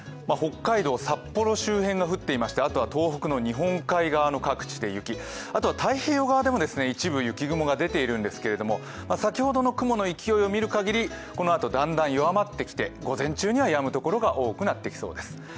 北海道、札幌周辺が降っていましてあとは東北の日本海側の各地で雪、あとは太平洋側でも一部雪雲が出ているんですけれども、先ほどの雲の勢いを見るかぎり、このあとだんだん弱まってきて午前中にはやむ所が多くなってきそうです。